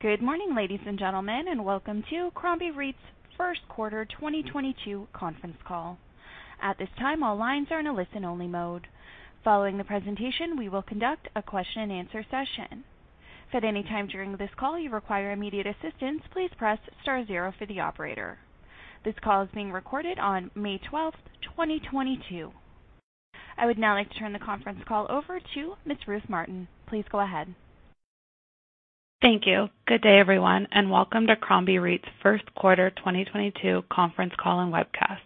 Good morning, ladies and gentlemen, and welcome to Crombie REIT's First Quarter 2022 Conference Call. At this time, all lines are in a listen-only mode. Following the presentation, we will conduct a question-and-answer session. If at any time during this call you require immediate assistance, please press star zero for the operator. This call is being recorded on May 12, 2022. I would now like to turn the conference call over to Ms. Ruth Martin. Please go ahead. Thank you. Good day, everyone, and welcome to Crombie REIT's First Quarter 2022 Conference Call and Webcast.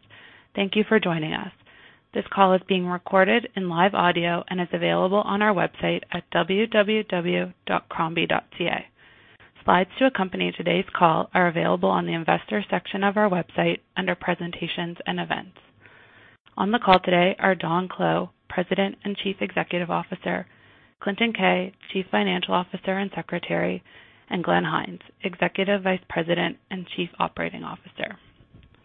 Thank you for joining us. This call is being recorded in live audio and is available on our website at www.crombie.ca. Slides to accompany today's call are available on the investor section of our website under presentations and events. On the call today are Don Clow, President and Chief Executive Officer, Clinton Keay, Chief Financial Officer and Secretary, and Glenn Hynes, Executive Vice President and Chief Operating Officer.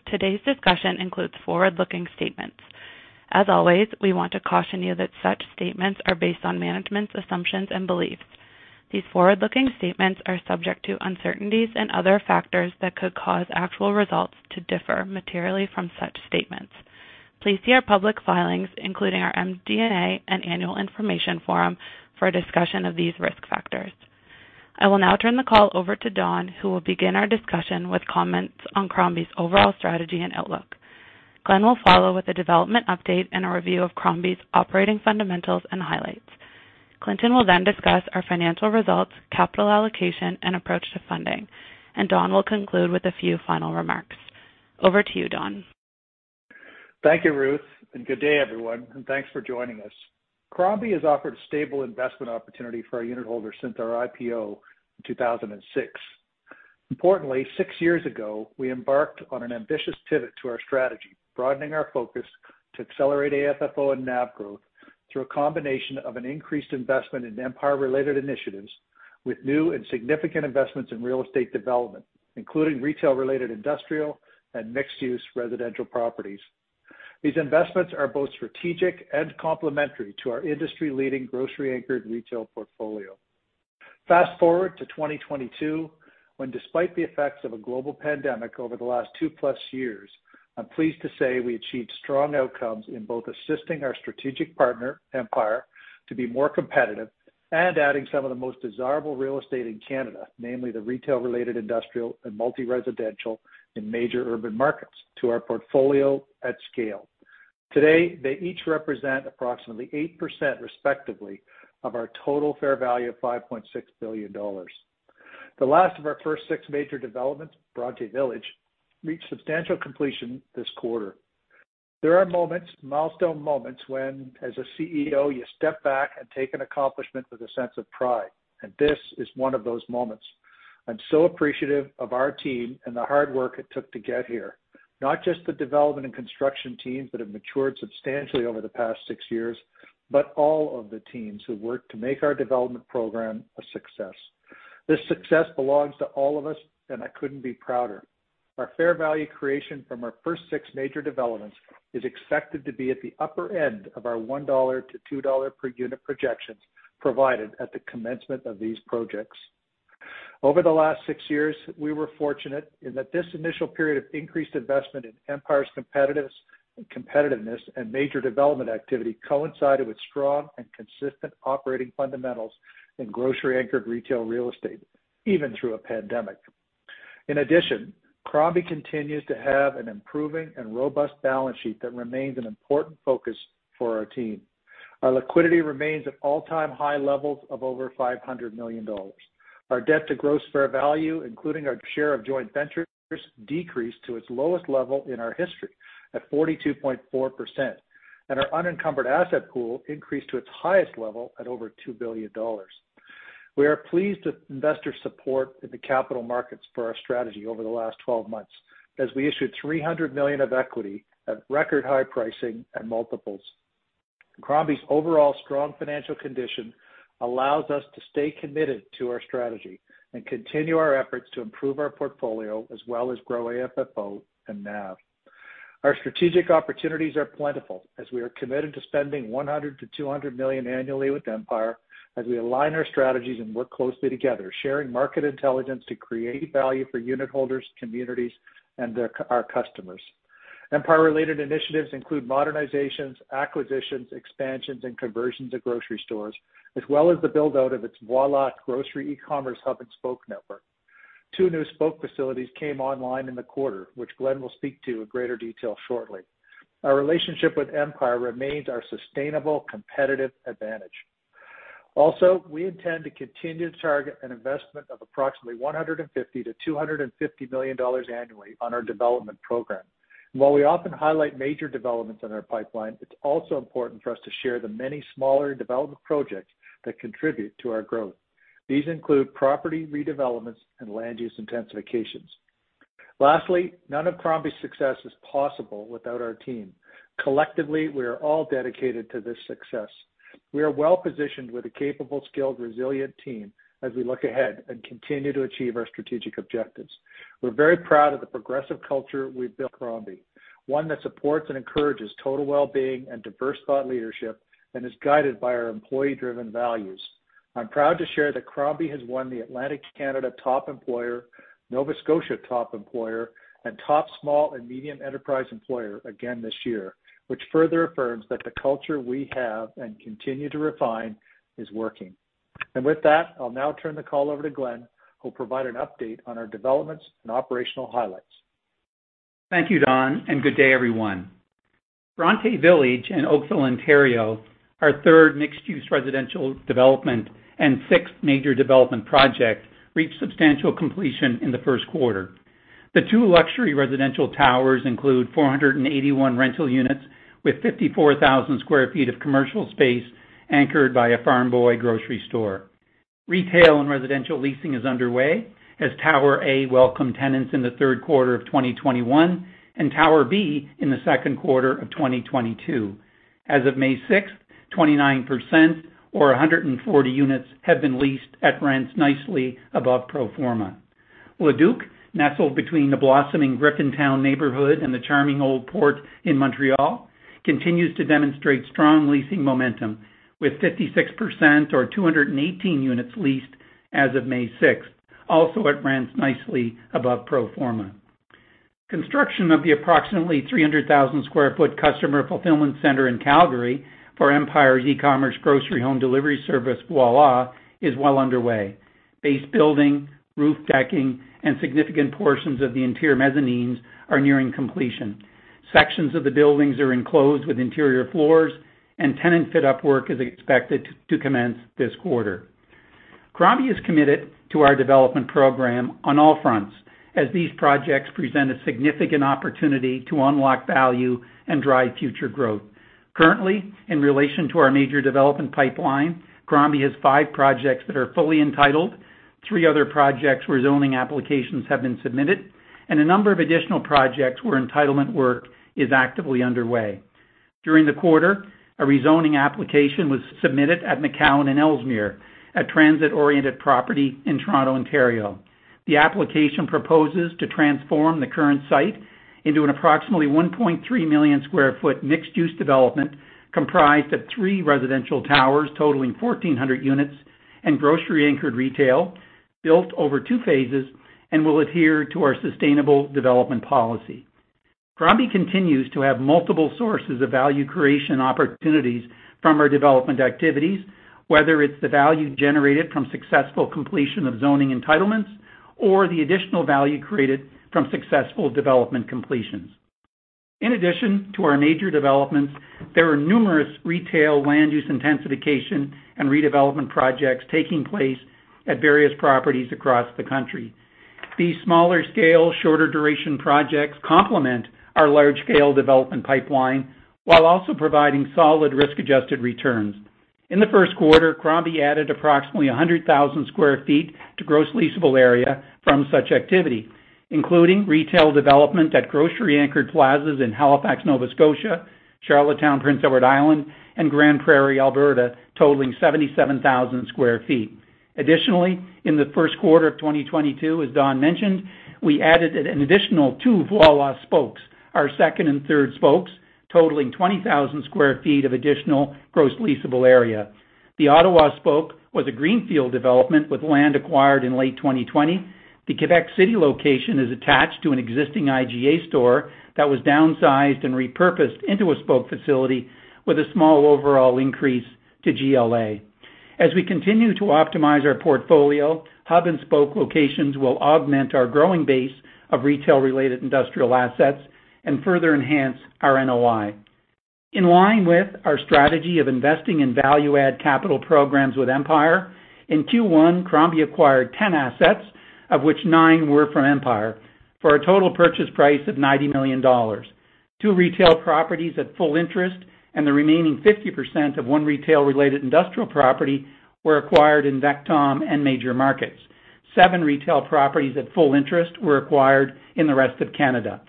Today's discussion includes forward-looking statements. As always, we want to caution you that such statements are based on management's assumptions and beliefs. These forward-looking statements are subject to uncertainties and other factors that could cause actual results to differ materially from such statements. Please see our public filings, including our MD&A and Annual Information Form, for a discussion of these risk factors. I will now turn the call over to Don, who will begin our discussion with comments on Crombie's overall strategy and outlook. Glenn will follow with a development update and a review of Crombie's operating fundamentals and highlights. Clinton will then discuss our financial results, capital allocation, and approach to funding, and Don will conclude with a few final remarks. Over to you, Don. Thank you, Ruth, and good day, everyone, and thanks for joining us. Crombie has offered stable investment opportunity for our unitholders since our IPO in 2006. Importantly, six years ago, we embarked on an ambitious pivot to our strategy, broadening our focus to accelerate AFFO and NAV growth through a combination of an increased investment in Empire-related initiatives with new and significant investments in real estate development, including retail-related industrial and mixed-use residential properties. These investments are both strategic and complementary to our industry-leading grocery anchored retail portfolio. Fast-forward to 2022 when despite the effects of a global pandemic over the last two-plus years, I'm pleased to say we achieved strong outcomes in both assisting our strategic partner, Empire, to be more competitive and adding some of the most desirable real estate in Canada, namely the retail-related industrial and multi-residential in major urban markets to our portfolio at scale. Today, they each represent approximately 8% respectively of our total fair value of 5.6 billion dollars. The last of our first six major developments, Bronte Village, reached substantial completion this quarter. There are moments, milestone moments, when, as a CEO, you step back and take an accomplishment with a sense of pride, and this is one of those moments. I'm so appreciative of our team and the hard work it took to get here. Not just the development and construction teams that have matured substantially over the past six years, but all of the teams who worked to make our development program a success. This success belongs to all of us, and I couldn't be prouder. Our fair value creation from our first six major developments is expected to be at the upper end of our 1-2 dollar per unit projections provided at the commencement of these projects. Over the last six years, we were fortunate in that this initial period of increased investment in Empire's competitiveness and major development activity coincided with strong and consistent operating fundamentals in grocery anchored retail real estate, even through a pandemic. In addition, Crombie continues to have an improving and robust balance sheet that remains an important focus for our team. Our liquidity remains at all-time high levels of over 500 million dollars. Our debt to gross fair value, including our share of joint ventures, decreased to its lowest level in our history at 42.4%, and our unencumbered asset pool increased to its highest level at over 2 billion dollars. We are pleased with investor support in the capital markets for our strategy over the last 12 months as we issued 300 million of equity at record high pricing and multiples. Crombie's overall strong financial condition allows us to stay committed to our strategy and continue our efforts to improve our portfolio as well as grow AFFO and NAV. Our strategic opportunities are plentiful as we are committed to spending 100 million-200 million annually with Empire as we align our strategies and work closely together, sharing market intelligence to create value for unitholders, communities, and our customers. Empire-related initiatives include modernizations, acquisitions, expansions, and conversions of grocery stores, as well as the build-out of its Voilà grocery e-commerce hub and spoke network. Two new spoke facilities came online in the quarter, which Glenn will speak to in greater detail shortly. Our relationship with Empire remains our sustainable competitive advantage. Also, we intend to continue to target an investment of approximately 150 million-250 million dollars annually on our development program. While we often highlight major developments in our pipeline, it's also important for us to share the many smaller development projects that contribute to our growth. These include property redevelopments and land use intensifications. Lastly, none of Crombie's success is possible without our team. Collectively, we are all dedicated to this success. We are well-positioned with a capable, skilled, resilient team as we look ahead and continue to achieve our strategic objectives. We're very proud of the progressive culture we've built at Crombie, one that supports and encourages total well-being and diverse thought leadership and is guided by our employee-driven values. I'm proud to share that Crombie has won the Atlantic Canada Top Employer, Nova Scotia Top Employer, and Top Small and Medium Enterprise Employer again this year, which further affirms that the culture we have and continue to refine is working. With that, I'll now turn the call over to Glenn, who'll provide an update on our developments and operational highlights. Thank you, Don, and good day, everyone. Bronte Village in Oakville, Ontario, our third mixed-use residential development and sixth major development project, reached substantial completion in the first quarter. The two luxury residential towers include 481 rental units with 54,000 sq ft of commercial space anchored by a Farm Boy grocery store. Retail and residential leasing is underway as Tower A welcomed tenants in the third quarter of 2021 and Tower B in the second quarter of 2022. As of May 6, 29% or 140 units have been leased at rents nicely above pro forma. Le Duke, nestled between the blossoming Griffintown neighborhood and the charming Old Port in Montreal, continues to demonstrate strong leasing momentum with 56% or 218 units leased as of May 6, also at rents nicely above pro forma. Construction of the approximately 300,000 sq ft customer fulfillment center in Calgary for Empire's e-commerce grocery home delivery service, Voilà, is well underway. Base building, roof decking, and significant portions of the interior mezzanines are nearing completion. Sections of the buildings are enclosed with interior floors, and tenant fit-up work is expected to commence this quarter. Crombie is committed to our development program on all fronts as these projects present a significant opportunity to unlock value and drive future growth. Currently, in relation to our major development pipeline, Crombie has five projects that are fully entitled, three other projects where zoning applications have been submitted, and a number of additional projects where entitlement work is actively underway. During the quarter, a rezoning application was submitted at McCowan and Ellesmere, a transit-oriented property in Toronto, Ontario. The application proposes to transform the current site into an approximately 1.3 million sq ft mixed-use development comprised of three residential towers totaling 1,400 units and grocery-anchored retail built over two phases and will adhere to our sustainable development policy. Crombie continues to have multiple sources of value creation opportunities from our development activities, whether it's the value generated from successful completion of zoning entitlements or the additional value created from successful development completions. In addition to our major developments, there are numerous retail land use intensification and redevelopment projects taking place at various properties across the country. These smaller scale, shorter duration projects complement our large-scale development pipeline while also providing solid risk-adjusted returns. In the first quarter, Crombie added approximately 100,000 sq ft to gross leasable area from such activity, including retail development at grocery-anchored plazas in Halifax, Nova Scotia, Charlottetown, Prince Edward Island, and Grande Prairie, Alberta, totaling 77,000 sq ft. Additionally, in the first quarter of 2022, as Don mentioned, we added an additional two Voilà spokes, our second and third spokes, totaling 20,000 sq ft of additional gross leasable area. The Ottawa spoke was a greenfield development with land acquired in late 2020. The Quebec City location is attached to an existing IGA store that was downsized and repurposed into a spoke facility with a small overall increase to GLA. As we continue to optimize our portfolio, hub and spoke locations will augment our growing base of retail-related industrial assets and further enhance our NOI. In line with our strategy of investing in value-add capital programs with Empire, in Q1, Crombie acquired 10 assets, of which nine were from Empire, for a total purchase price of 90 million dollars. Two retail properties at full interest and the remaining 50% of one retail-related industrial property were acquired in VECTOM and major markets. Seven retail properties at full interest were acquired in the rest of Canada.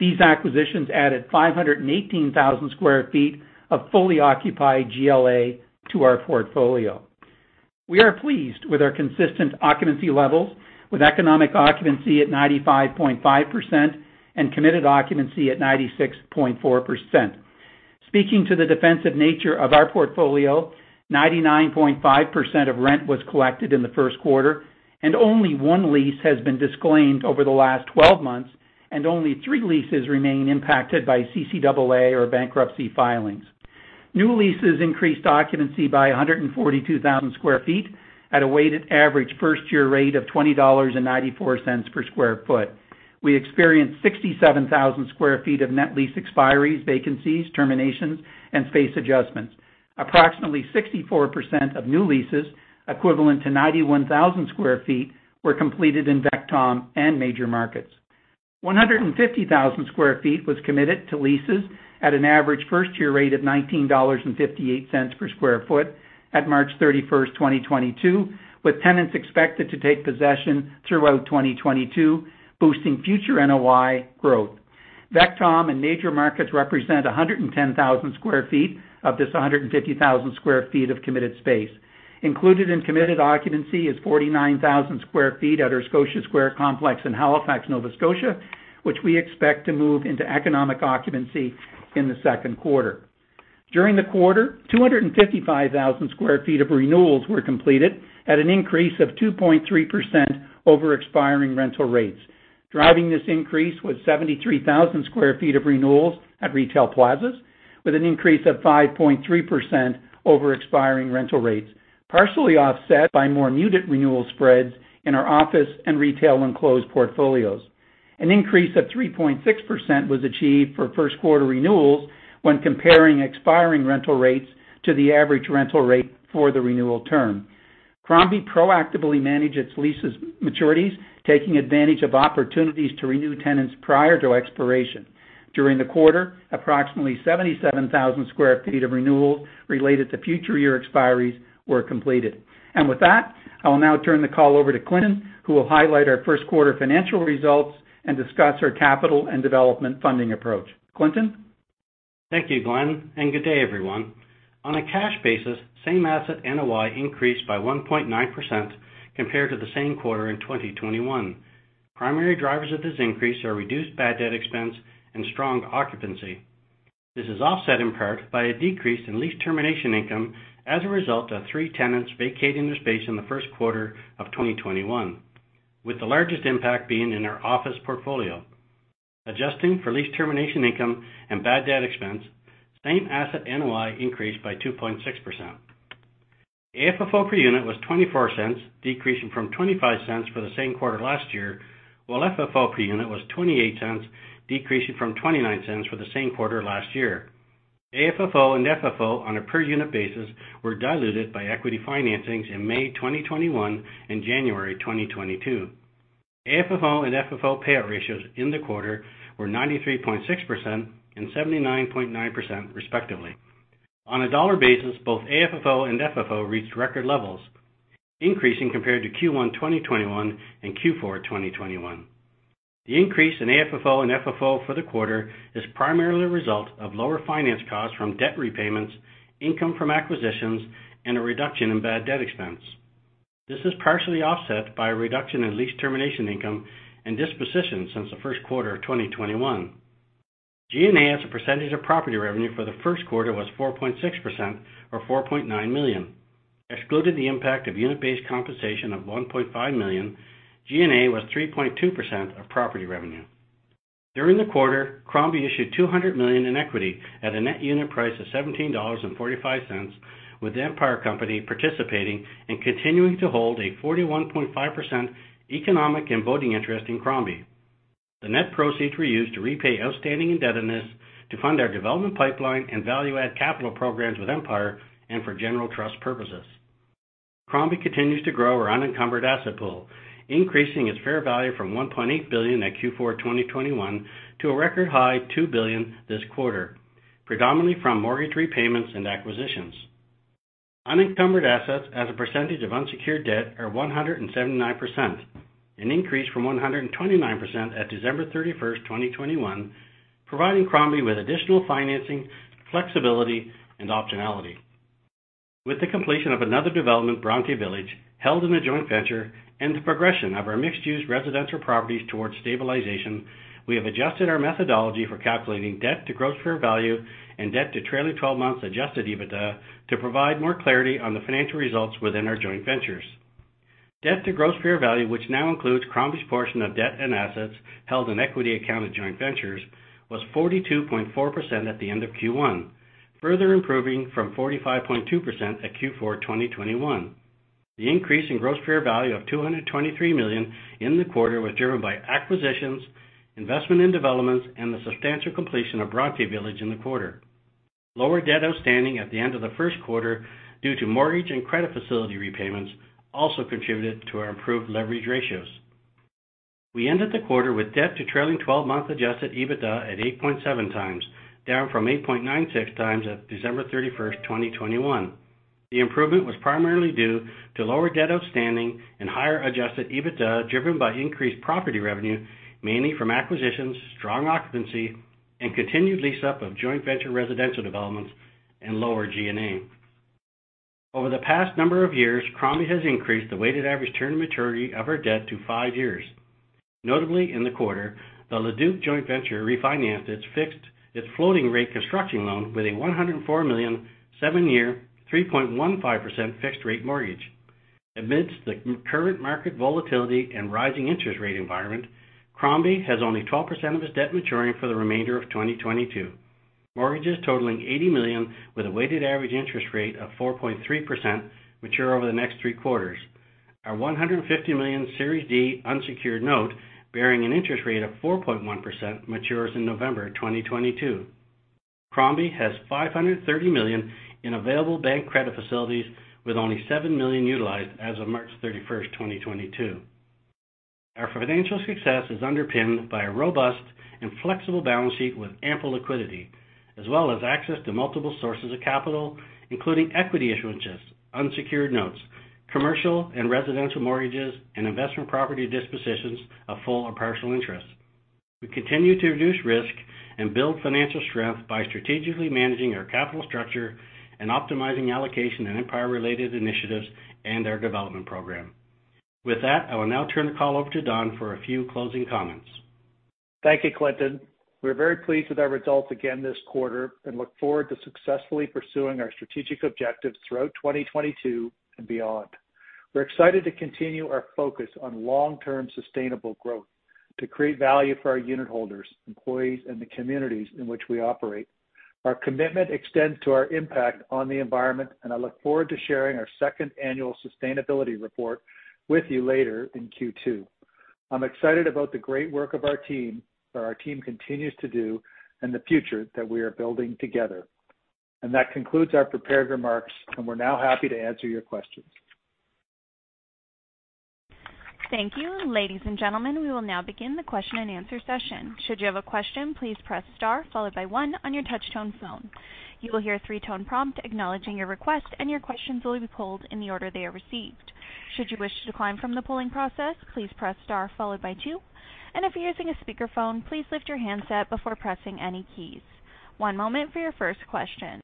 These acquisitions added 518,000 sq ft of fully occupied GLA to our portfolio. We are pleased with our consistent occupancy levels with economic occupancy at 95.5% and committed occupancy at 96.4%. Speaking to the defensive nature of our portfolio, 99.5% of rent was collected in the first quarter, and only one lease has been disclaimed over the last 12 months, and only three leases remain impacted by CCAA or bankruptcy filings. New leases increased occupancy by 142,000 sq ft at a weighted average first-year rate of 20.94 dollars per sq ft. We experienced 67,000 sq ft of net lease expiries, vacancies, terminations, and space adjustments. Approximately 64% of new leases, equivalent to 91,000 sq ft, were completed in VECTOM and major markets. 150,000 sq ft was committed to leases at an average first-year rate of 19.58 dollars per sq ft at March 31, 2022, with tenants expected to take possession throughout 2022, boosting future NOI growth. VECTOM and major markets represent 110,000 sq ft of this 150,000 sq ft of committed space. Included in committed occupancy is 49,000 sq ft at our Scotia Square complex in Halifax, Nova Scotia, which we expect to move into economic occupancy in the second quarter. During the quarter, 255,000 sq ft of renewals were completed at an increase of 2.3% over expiring rental rates. Driving this increase was 73,000 sq ft of renewals at retail plazas, with an increase of 5.3% over expiring rental rates, partially offset by more muted renewal spreads in our office and retail enclosed portfolios. An increase of 3.6% was achieved for first quarter renewals when comparing expiring rental rates to the average rental rate for the renewal term. Crombie proactively manage its leases maturities, taking advantage of opportunities to renew tenants prior to expiration. During the quarter, approximately 77,000 sq ft of renewals related to future year expiries were completed. With that, I will now turn the call over to Clinton, who will highlight our first quarter financial results and discuss our capital and development funding approach. Clinton? Thank you, Glenn, and good day, everyone. On a cash basis, same asset NOI increased by 1.9% compared to the same quarter in 2021. Primary drivers of this increase are reduced bad debt expense and strong occupancy. This is offset in part by a decrease in lease termination income as a result of three tenants vacating their space in the first quarter of 2021, with the largest impact being in our office portfolio. Adjusting for lease termination income and bad debt expense, same asset NOI increased by 2.6%. AFFO per unit was 0.24, decreasing from 0.25 for the same quarter last year, while FFO per unit was 0.28, decreasing from 0.29 for the same quarter last year. AFFO and FFO on a per unit basis were diluted by equity financings in May 2021 and January 2022. AFFO and FFO payout ratios in the quarter were 93.6% and 79.9% respectively. On a dollar basis, both AFFO and FFO reached record levels, increasing compared to Q1 2021 and Q4 2021. The increase in AFFO and FFO for the quarter is primarily a result of lower finance costs from debt repayments, income from acquisitions, and a reduction in bad debt expense. This is partially offset by a reduction in lease termination income and dispositions since the first quarter of 2021. G&A as a percentage of property revenue for the first quarter was 4.6% or 4.9 million. Excluded the impact of unit-based compensation of 1.5 million, G&A was 3.2% of property revenue. During the quarter, Crombie issued 200 million in equity at a net unit price of 17.45 dollars, with the Empire Company participating and continuing to hold a 41.5% economic and voting interest in Crombie. The net proceeds were used to repay outstanding indebtedness to fund our development pipeline and value-add capital programs with Empire and for general trust purposes. Crombie continues to grow our unencumbered asset pool, increasing its fair value from 1.8 billion at Q4 2021 to a record high 2 billion this quarter, predominantly from mortgage repayments and acquisitions. Unencumbered assets as a percentage of unsecured debt are 179%, an increase from 129% at December 31, 2021, providing Crombie with additional financing, flexibility and optionality. With the completion of another development, Bronte Village, held in a joint venture and the progression of our mixed-use residential properties towards stabilization, we have adjusted our methodology for calculating debt to gross fair value and debt to trailing twelve months adjusted EBITDA to provide more clarity on the financial results within our joint ventures. Debt to gross fair value, which now includes Crombie's portion of debt and assets held in equity accounted joint ventures, was 42.4% at the end of Q1, further improving from 45.2% at Q4 2021. The increase in gross fair value of CAD 223 million in the quarter was driven by acquisitions, investment in developments, and the substantial completion of Bronte Village in the quarter. Lower debt outstanding at the end of the first quarter due to mortgage and credit facility repayments also contributed to our improved leverage ratios. We ended the quarter with debt to trailing 12-month adjusted EBITDA at 8.7 times, down from 8.96 times at December 31, 2021. The improvement was primarily due to lower debt outstanding and higher adjusted EBITDA, driven by increased property revenue, mainly from acquisitions, strong occupancy, and continued lease up of joint venture residential developments and lower G&A. Over the past number of years, Crombie has increased the weighted average term maturity of our debt to five years. Notably, in the quarter, the Leduc joint venture refinanced its floating rate construction loan with a 104 million, 7-year, 3.15% fixed rate mortgage. Amidst the current market volatility and rising interest rate environment, Crombie has only 12% of its debt maturing for the remainder of 2022. Mortgages totaling 80 million with a weighted average interest rate of 4.3% mature over the next three quarters. Our 150 million Series D unsecured note, bearing an interest rate of 4.1% matures in November 2022. Crombie has 530 million in available bank credit facilities with only 7 million utilized as of March 31, 2022. Our financial success is underpinned by a robust and flexible balance sheet with ample liquidity as well as access to multiple sources of capital, including equity issuances, unsecured notes, commercial and residential mortgages, and investment property dispositions of full or partial interest. We continue to reduce risk and build financial strength by strategically managing our capital structure and optimizing allocation and Empire-related initiatives and our development program. With that, I will now turn the call over to Don for a few closing comments. Thank you, Clinton. We're very pleased with our results again this quarter and look forward to successfully pursuing our strategic objectives throughout 2022 and beyond. We're excited to continue our focus on long-term sustainable growth to create value for our unitholders, employees, and the communities in which we operate. Our commitment extends to our impact on the environment, and I look forward to sharing our second annual sustainability report with you later in Q2. I'm excited about the great work of our team, that our team continues to do, and the future that we are building together. That concludes our prepared remarks, and we're now happy to answer your questions. Thank you. Ladies and gentlemen, we will now begin the question-and-answer session. Should you have a question, please press star followed by one on your touchtone phone. You will hear a three-tone prompt acknowledging your request, and your questions will be pulled in the order they are received. Should you wish to decline from the polling process, please press star followed by two. If you're using a speakerphone, please lift your handset before pressing any keys. One moment for your first question.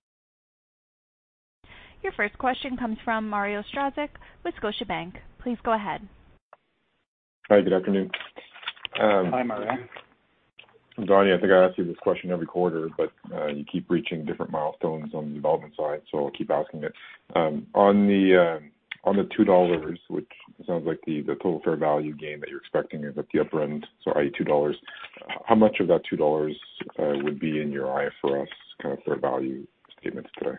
Your first question comes from Mario Saric with Scotiabank. Please go ahead. Hi, good afternoon. Hi, Mario. Donnie, I think I ask you this question every quarter, but you keep reaching different milestones on the development side, so I'll keep asking it. On the 2 dollars, which it sounds like the total fair value gain that you're expecting is at the upper end, so i.e., 2 dollars, how much of that 2 dollars would be in your IFRS kind of fair value statement today? Well,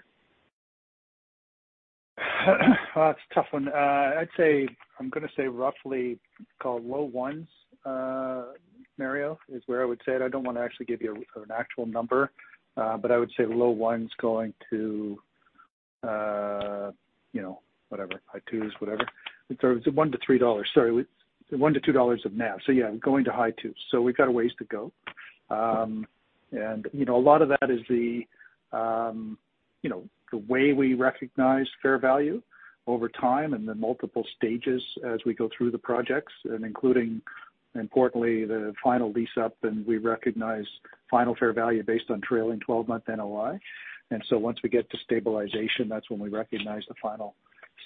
that's a tough one. I'd say, I'm gonna say roughly call it low ones, Mario, is where I would say it. I don't wanna actually give you an actual number, but I would say low ones going to, you know, whatever, high twos, whatever. So it's 1-3 dollars. One to two dollars of NAV. So yeah, going to high twos. So we've got a ways to go. And, you know, a lot of that is the, you know, the way we recognize fair value over time and the multiple stages as we go through the projects, and including, importantly, the final lease up, and we recognize final fair value based on trailing twelve-month NOI. So once we get to stabilization, that's when we recognize the final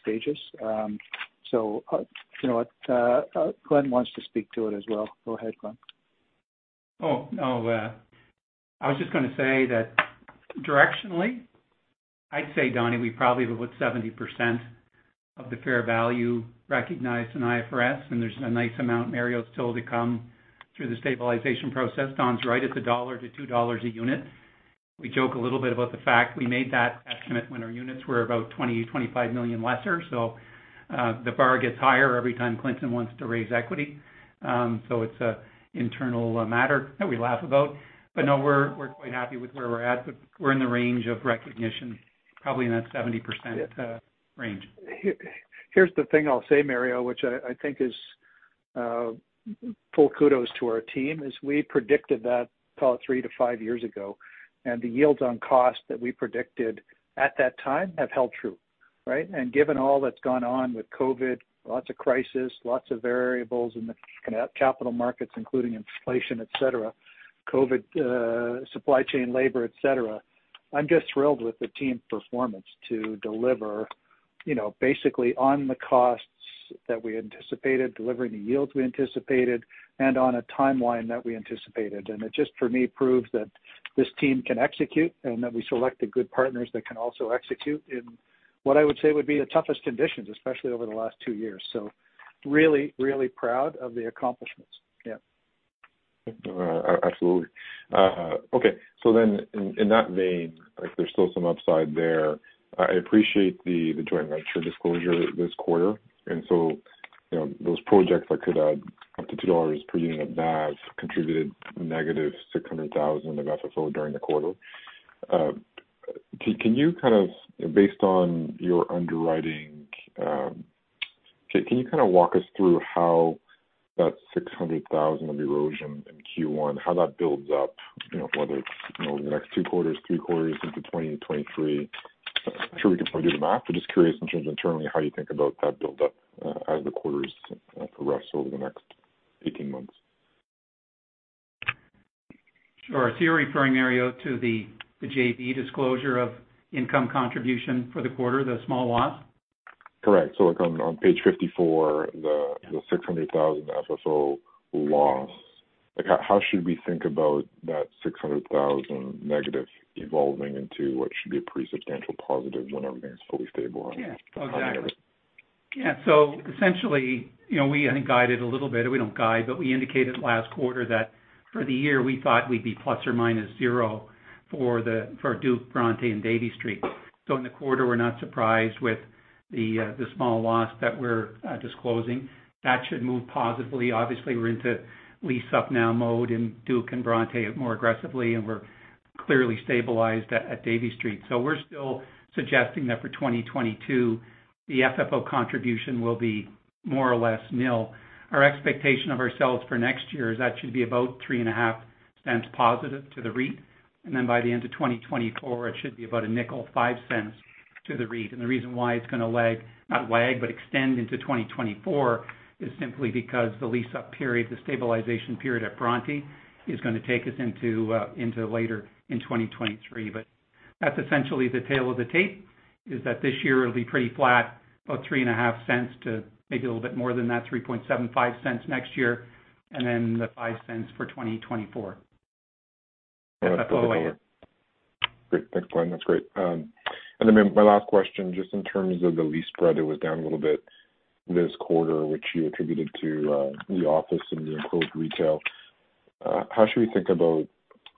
stages. You know what, Glenn wants to speak to it as well. Go ahead, Glenn. I was just gonna say that directionally, I'd say, Donnie, we probably have about 70% of the fair value recognized in IFRS, and there's a nice amount in areas still to come through the stabilization process. Don's right at the 1-2 dollars a unit. We joke a little bit about the fact we made that estimate when our units were about 20-25 million lesser. The bar gets higher every time Clinton wants to raise equity. So it's an internal matter that we laugh about. No, we're quite happy with where we're at, but we're in the range of recognition, probably in that 70% range. Here's the thing I'll say, Mario, which I think is full kudos to our team: we predicted that call it 3-5 years ago, and the yields on cost that we predicted at that time have held true, right? Given all that's gone on with COVID, lots of crises, lots of variables in the kinda capital markets, including inflation, et cetera, COVID, supply chain labor, et cetera, I'm just thrilled with the team performance to deliver, you know, basically on the costs that we anticipated, delivering the yields we anticipated, and on a timeline that we anticipated. It just, for me, proves that this team can execute and that we selected good partners that can also execute in what I would say would be the toughest conditions, especially over the last two years. Really, really proud of the accomplishments. Yeah. Absolutely. Okay. In that vein, like, there's still some upside there. I appreciate the joint venture disclosure this quarter. You know, those projects that could add up to 2 dollars per unit of NAV contributed negative 600,000 of FFO during the quarter. Can you kind of, based on your underwriting, walk us through how that 600,000 of erosion in Q1, how that builds up, you know, whether it's, you know, over the next two quarters, three quarters into 2023? I'm sure we can probably do the math, but just curious in terms internally, how you think about that buildup as the quarters progress over the next 18 months. Sure. You're referring, Mario, to the JV disclosure of income contribution for the quarter, the small loss? Correct. Like on page 54, the 600,000 FFO loss. Like, how should we think about that 600,000 negative evolving into what should be a pretty substantial positive when everything's fully stable? Yeah. Exactly. How do we get there? Yeah. Essentially, you know, we think guided a little bit, or we don't guide, but we indicated last quarter that for the year, we thought we'd be ±0 for Duke, Bronte, and Davie Street. In the quarter, we're not surprised with the small loss that we're disclosing. That should move positively. Obviously, we're into lease up now mode in Duke and Bronte more aggressively, and we're clearly stabilized at Davie Street. We're still suggesting that for 2022, the FFO contribution will be more or less nil. Our expectation of ourselves for next year is that should be about 0.035 positive to the REIT, and then by the end of 2024, it should be about 0.05 to the REIT. The reason why it's gonna lag, not lag, but extend into 2024 is simply because the lease-up period, the stabilization period at Bronte is gonna take us into later in 2023. That's essentially the tale of the tape, is that this year it'll be pretty flat, about 0.035 to maybe a little bit more than that, 0.0375 next year, and then the 0.05 for 2024. Great. Thanks, Glenn. That's great. My last question, just in terms of the lease spread, it was down a little bit this quarter, which you attributed to re-office and the enclosed retail. How should we think about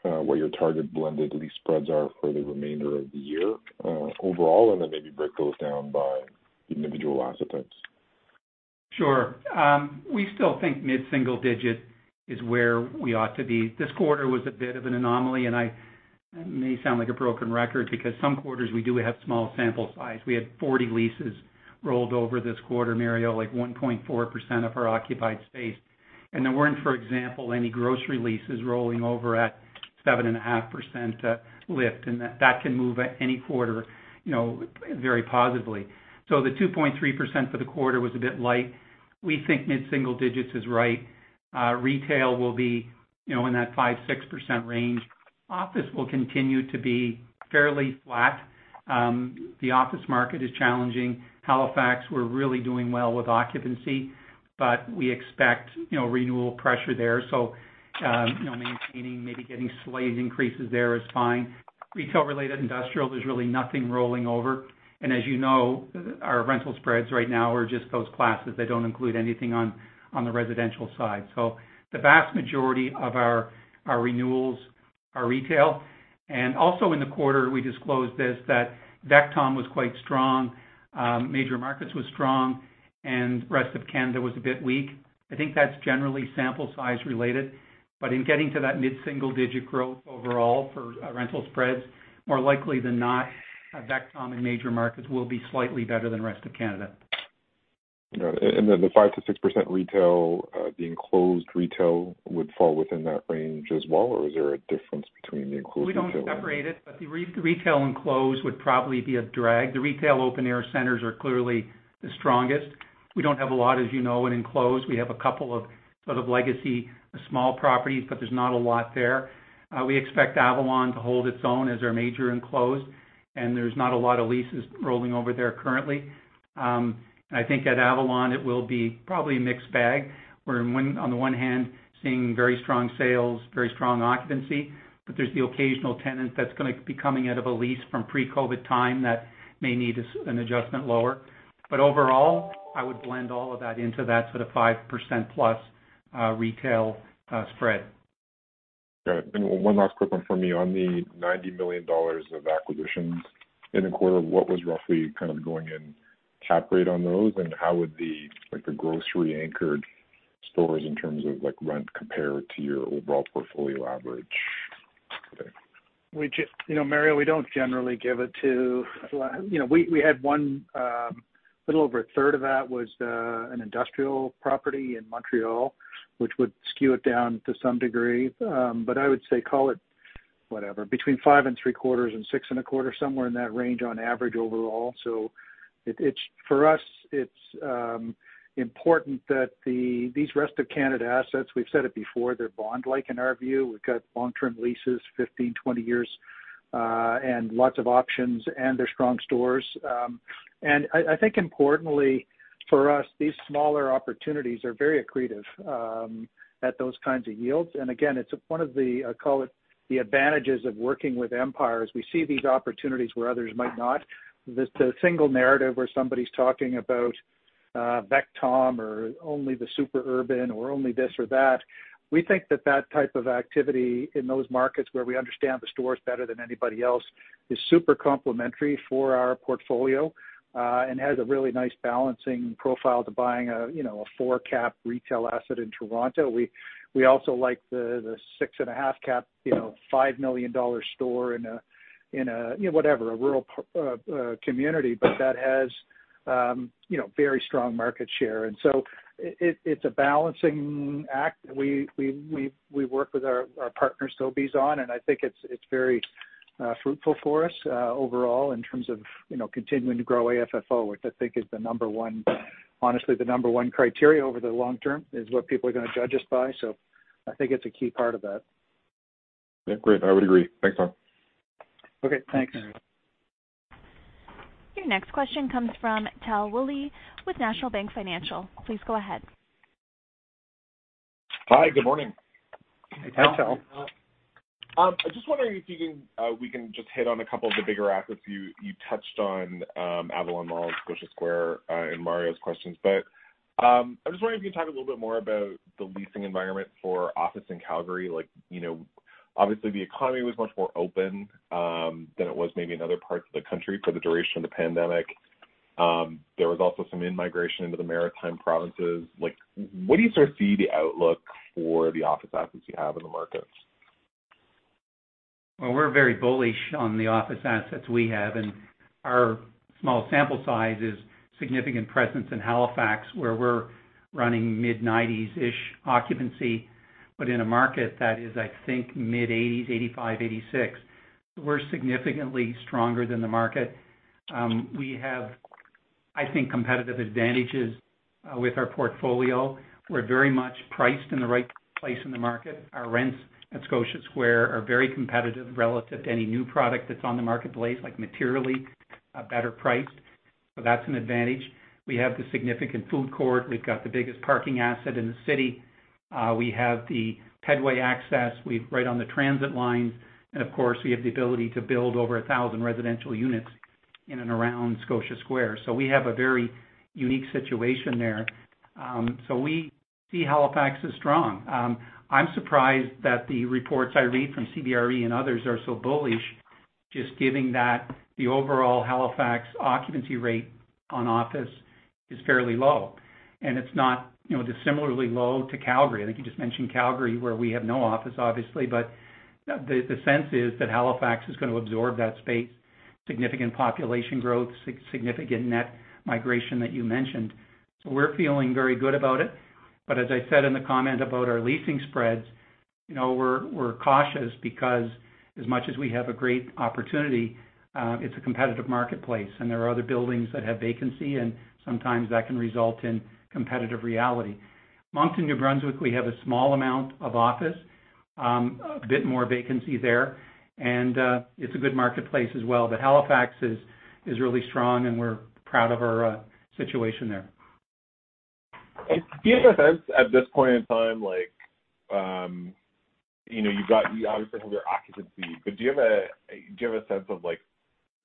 what your target blended lease spreads are for the remainder of the year, overall? Maybe break those down by individual assets. Sure. We still think mid-single digit is where we ought to be. This quarter was a bit of an anomaly, and I may sound like a broken record because some quarters we do have small sample size. We had 40 leases rolled over this quarter, Mario, like 1.4% of our occupied space. There weren't, for example, any grocery leases rolling over at 7.5% lift, and that can move at any quarter, you know, very positively. The 2.3% for the quarter was a bit light. We think mid-single digits is right. Retail will be, you know, in that 5%-6% range. Office will continue to be fairly flat. The office market is challenging. Halifax, we're really doing well with occupancy, but we expect, you know, renewal pressure there. You know, maintaining, maybe getting slight increases there is fine. Retail-related industrial, there's really nothing rolling over. As you know, our rental spreads right now are just those classes. They don't include anything on the residential side. The vast majority of our renewals are retail. Also in the quarter, we disclosed this, that VECTOM was quite strong. Major markets was strong, and rest of Canada was a bit weak. I think that's generally sample size related. In getting to that mid-single-digit growth overall for rental spreads, more likely than not, VECTOM in major markets will be slightly better than rest of Canada. Got it. Then the 5%-6% retail, the enclosed retail would fall within that range as well, or is there a difference between the enclosed retail? We don't separate it, but the retail enclosed would probably be a drag. The retail open air centers are clearly the strongest. We don't have a lot, as you know, in enclosed. We have a couple of sort of legacy small properties, but there's not a lot there. We expect Avalon to hold its own as our major enclosed, and there's not a lot of leases rolling over there currently. I think at Avalon it will be probably a mixed bag. On the one hand, seeing very strong sales, very strong occupancy, but there's the occasional tenant that's gonna be coming out of a lease from pre-COVID time that may need an adjustment lower. Overall, I would blend all of that into that sort of 5%+, retail, spread. Got it. One last quick one for me. On the 90 million dollars of acquisitions in the quarter, what was roughly kind of going in cap rate on those, and how would the, like, the grocery anchored stores in terms of like rent compare to your overall portfolio average today? Mario, we don't generally give it to, you know, we had one, a little over a third of that was an industrial property in Montreal, which would skew it down to some degree. I would say call it whatever, between 5.75% and 6.25%, somewhere in that range on average overall. It's, for us, important that these rest-of-Canada assets, we've said it before, they're bond-like in our view. We've got long-term leases, 15, 20 years, and lots of options, and they're strong stores. I think importantly for us, these smaller opportunities are very accretive at those kinds of yields. Again, it's one of the, I call it, the advantages of working with Empire, is we see these opportunities where others might not. The single narrative where somebody's talking about VECTOM or only the super urban or only this or that, we think that type of activity in those markets where we understand the stores better than anybody else is super complementary for our portfolio, and has a really nice balancing profile to buying a, you know, a 4-cap retail asset in Toronto. We also like the 6.5-cap, you know, 5 million dollar store in a, in a, you know, whatever, a rural community, but that has, you know, very strong market share. It's a balancing act. We work with our partners, Sobeys, and I think it's very fruitful for us overall in terms of, you know, continuing to grow AFFO, which I think is the number one, honestly, the number one criteria over the long term is what people are gonna judge us by. I think it's a key part of that. Yeah. Great. I would agree. Thanks, Don. Okay, thanks, Mario. Your next question comes from Tal Woolley with National Bank Financial. Please go ahead. Hi. Good morning. Hey, Tal. Hi, Tal. I'm just wondering if we can just hit on a couple of the bigger assets. You touched on Avalon Mall, Scotia Square, in Mario's questions. I'm just wondering if you can talk a little bit more about the leasing environment for office in Calgary. Like, you know, obviously, the economy was much more open than it was maybe in other parts of the country for the duration of the pandemic. There was also some in-migration into the maritime provinces. Like, what do you sort of see the outlook for the office assets you have in the markets? Well, we're very bullish on the office assets we have, and our small sample size is significant presence in Halifax, where we're running mid-90s-ish occupancy, but in a market that is, I think, mid-80s, 85, 86. We're significantly stronger than the market. We have, I think, competitive advantages with our portfolio. We're very much priced in the right place in the market. Our rents at Scotia Square are very competitive relative to any new product that's on the marketplace, like materially, better priced. That's an advantage. We have the significant food court. We've got the biggest parking asset in the city. We have the pedway access. Right on the transit line. Of course, we have the ability to build over 1,000 residential units in and around Scotia Square. We have a very unique situation there. We see Halifax as strong. I'm surprised that the reports I read from CBRE and others are so bullish just given that the overall Halifax occupancy rate on office is fairly low. It's not, you know, dissimilarly low to Calgary. I think you just mentioned Calgary, where we have no office, obviously. The sense is that Halifax is gonna absorb that space. Significant population growth, significant net migration that you mentioned. We're feeling very good about it. As I said in the comment about our leasing spreads, you know, we're cautious because as much as we have a great opportunity, it's a competitive marketplace, and there are other buildings that have vacancy, and sometimes that can result in competitive reality. Moncton, New Brunswick, we have a small amount of office, a bit more vacancy there, and it's a good marketplace as well. Halifax is really strong, and we're proud of our situation there. Do you have a sense at this point in time, you obviously have your occupancy, but do you have a sense of, like,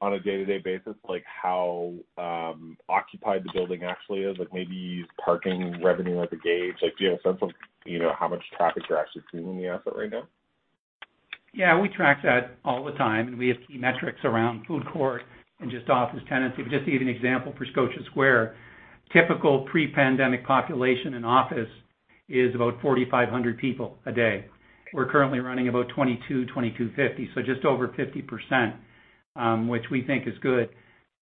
on a day-to-day basis, how occupied the building actually is? Maybe use parking revenue as a gauge. Do you have a sense of, you know, how much traffic you're actually seeing in the asset right now? Yeah, we track that all the time, and we have key metrics around food court and just office tenancy. Just to give you an example for Scotia Square, typical pre-pandemic population in office is about 4,500 people a day. We're currently running about 2,250, so just over 50%, which we think is good.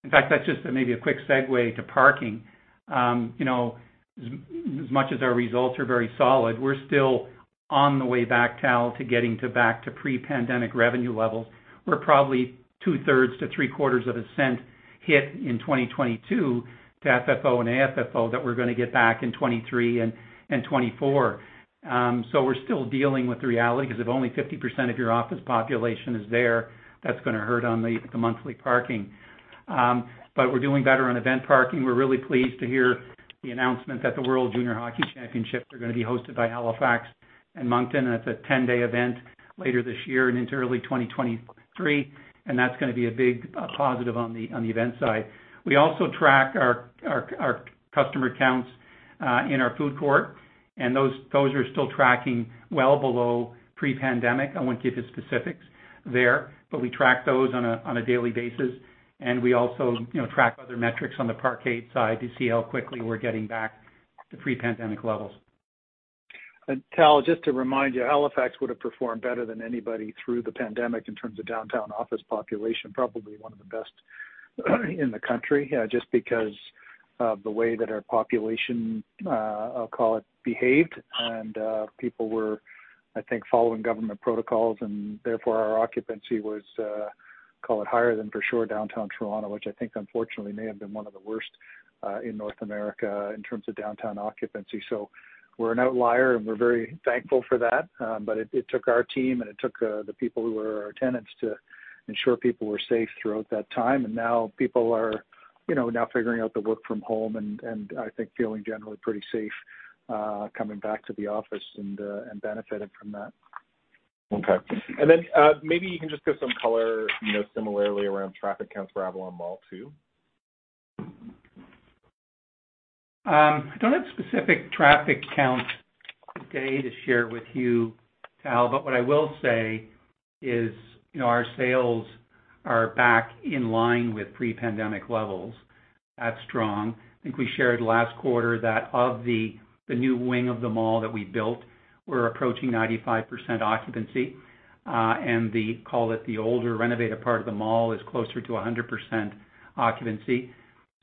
In fact, that's just maybe a quick segue to parking. You know, as much as our results are very solid, we're still on the way back, Tal, to getting back to pre-pandemic revenue levels. We're probably two thirds to three quarters of a cent hit in 2022 to FFO and AFFO that we're gonna get back in 2023 and '24. We're still dealing with the reality because if only 50% of your office population is there, that's gonna hurt on the monthly parking. But we're doing better on event parking. We're really pleased to hear the announcement that the IIHF World Junior Championship are gonna be hosted by Halifax and Moncton, and it's a ten-day event later this year and into early 2023, and that's gonna be a big positive on the event side. We also track our customer counts in our food court, and those are still tracking well below pre-pandemic. I won't get to specifics there, but we track those on a daily basis, and we also, you know, track other metrics on the parkade side to see how quickly we're getting back to pre-pandemic levels. Tal, just to remind you, Halifax would have performed better than anybody through the pandemic in terms of downtown office population, probably one of the best in the country, just because of the way that our population, I'll call it, behaved. People were, I think, following government protocols, and therefore our occupancy was, call it higher than for sure downtown Toronto, which I think unfortunately may have been one of the worst, in North America in terms of downtown occupancy. We're an outlier, and we're very thankful for that. It took our team and the people who were our tenants to ensure people were safe throughout that time. Now people are, you know, now figuring out the work from home and I think feeling generally pretty safe, coming back to the office and benefiting from that. Okay. Maybe you can just give some color, you know, similarly around traffic counts for Avalon Mall too. I don't have specific traffic counts today to share with you, Tal, but what I will say is, you know, our sales are back in line with pre-pandemic levels. That's strong. I think we shared last quarter that of the new wing of the mall that we built, we're approaching 95% occupancy. Call it the older renovated part of the mall is closer to 100% occupancy.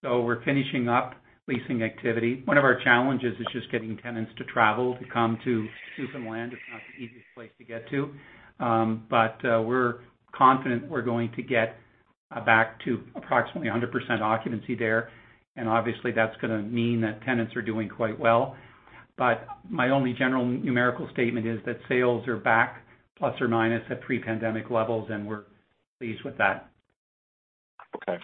We're finishing up leasing activity. One of our challenges is just getting tenants to travel, to come to St. John's. It's not the easiest place to get to. But we're confident we're going to get back to approximately 100% occupancy there. Obviously, that's gonna mean that tenants are doing quite well. My only general numerical statement is that sales are back ± at pre-pandemic levels, and we're pleased with that. Okay.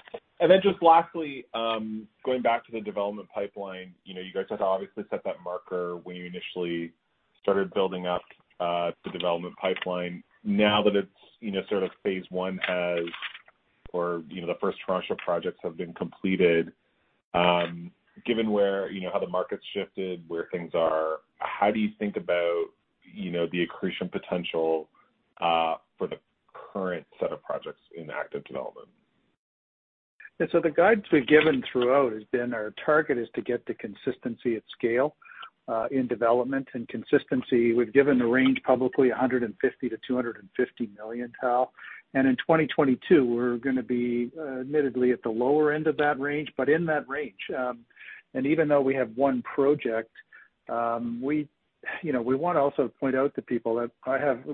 Just lastly, going back to the development pipeline, you know, you guys had to obviously set that marker when you initially started building up the development pipeline. Now that it's, you know, sort of phase one, you know, the first tranche of projects have been completed, given where, you know, how the market's shifted, where things are, how do you think about the accretion potential for the current set of projects in active development? Yeah. The guidance we've given throughout has been our target is to get the consistency at scale in development. Consistency, we've given the range publicly, 150 million-250 million, Tal. In 2022, we're gonna be, admittedly at the lower end of that range, but in that range. Even though we have one project, you know, we want to also point out to people that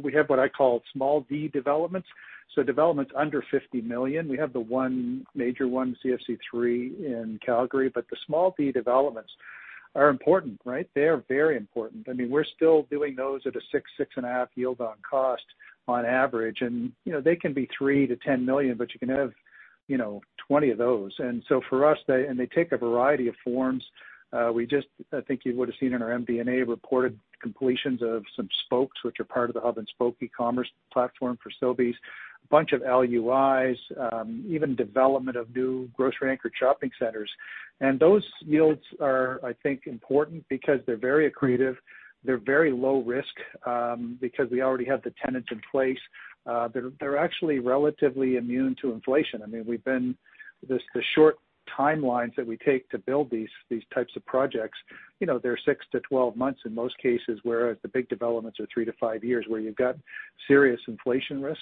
we have what I call small D developments. Developments under 50 million. We have the one major one, CFC 3 in Calgary. The small D developments are important, right? They are very important. I mean, we're still doing those at a 6%-6.5% yield on cost on average. They can be 3 million-10 million, but you can have, you know, 20 of those. For us, they take a variety of forms. I think you would have seen in our MD&A reported completions of some spokes, which are part of the hub and spoke e-commerce platform for Sobeys. A bunch of LUIs, even development of new grocery anchored shopping centers. Those yields are, I think, important because they're very accretive. They're very low risk, because we already have the tenants in place. They're actually relatively immune to inflation. I mean, the short timelines that we take to build these types of projects, you know, they're 6-12 months in most cases, whereas the big developments are 3-5 years where you've got serious inflation risk.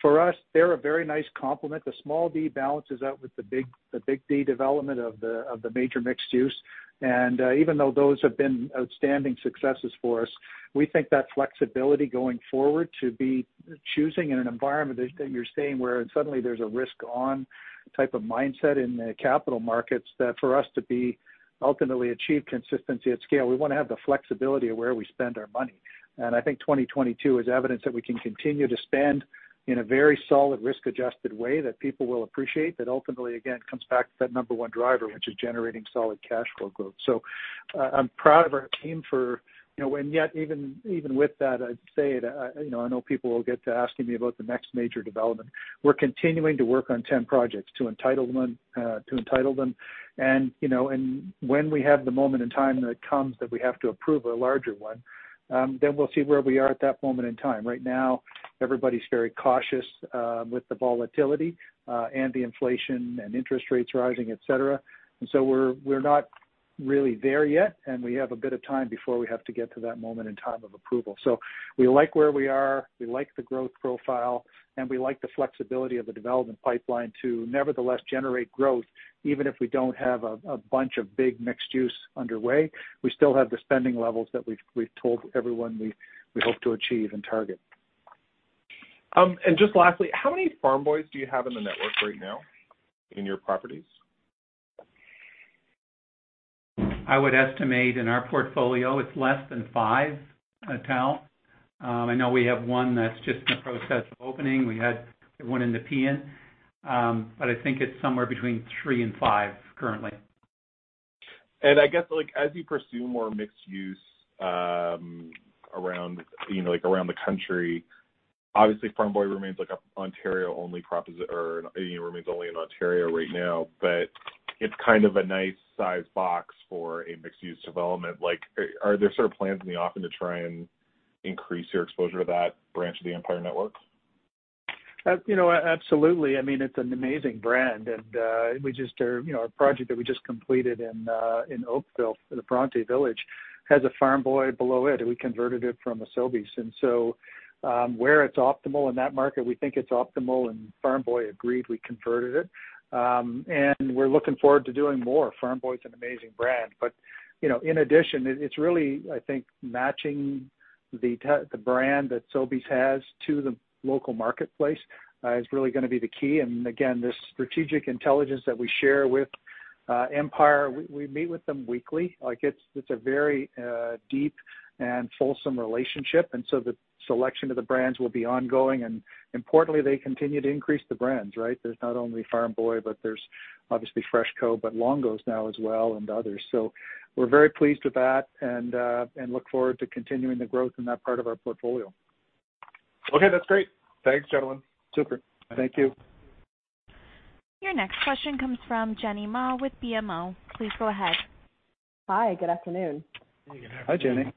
For us, they're a very nice complement. The small D balances out with the big D development of the major mixed use. Even though those have been outstanding successes for us, we think that flexibility going forward to be choosing in an environment that you're saying where suddenly there's a risk-on type of mindset in the capital markets that for us to be ultimately achieve consistency at scale, we want to have the flexibility of where we spend our money. I think 2022 is evidence that we can continue to spend in a very solid risk adjusted way that people will appreciate. That ultimately, again, comes back to that number one driver, which is generating solid cash flow growth. I'm proud of our team for, you know, and yet even with that, I'd say, you know, I know people will get to asking me about the next major development. We're continuing to work on 10 projects to entitlement, to entitle them. You know, when we have the moment in time that comes that we have to approve a larger one, then we'll see where we are at that moment in time. Right now, everybody's very cautious with the volatility and the inflation and interest rates rising, et cetera. We're not really there yet, and we have a bit of time before we have to get to that moment in time of approval. We like where we are. We like the growth profile, and we like the flexibility of the development pipeline to nevertheless generate growth. Even if we don't have a bunch of big mixed use underway, we still have the spending levels that we've told everyone we hope to achieve and target. Just lastly, how many Farm Boy do you have in the network right now in your properties? I would estimate in our portfolio it's less than 5 total. I know we have 1 that's just in the process of opening. We had 1 in the PN, but I think it's somewhere between 3 and 5 currently. I guess, like, as you pursue more mixed use, around, you know, like around the country, obviously Farm Boy remains like an Ontario only or remains only in Ontario right now, but it's kind of a nice sized box for a mixed use development. Like, are there sort of plans in the offing to try and increase your exposure to that branch of the Empire network? You know, absolutely. I mean, it's an amazing brand. You know, a project that we just completed in Oakville, the Bronte Village, has a Farm Boy below it, and we converted it from a Sobeys. Where it's optimal in that market, we think it's optimal. Farm Boy agreed, we converted it. We're looking forward to doing more. Farm Boy is an amazing brand. You know, in addition, it's really, I think, matching the brand that Sobeys has to the local marketplace is really going to be the key. Again, this strategic intelligence that we share with Empire, we meet with them weekly. Like it's a very deep and fulsome relationship. The selection of the brands will be ongoing. Importantly, they continue to increase the brands, right? There's not only Farm Boy, but there's obviously FreshCo, but Longo's now as well, and others. We're very pleased with that and look forward to continuing the growth in that part of our portfolio. Okay, that's great. Thanks, gentlemen. Super. Thank you. Your next question comes from Jenny Ma with BMO. Please go ahead. Hi. Good afternoon. Hi, Jenny.